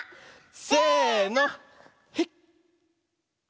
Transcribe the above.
せの。